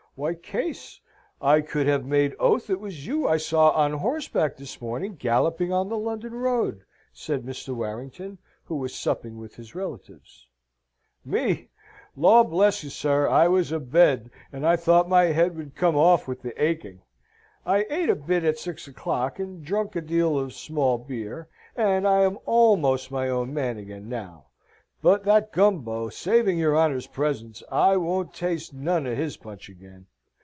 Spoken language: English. "Why, Case, I could have made oath it was you I saw on horseback this morning galloping on the London road," said Mr. Warrington, who was supping with his relatives. "Me! law bless you, sir! I was a bed, and I thought my head would come off with the aching. I ate a bit at six o'clock, and drunk a deal of small beer, and I am almost my own man again now. But that Gumbo, saving your honour's presence, I won't taste none of his punch again."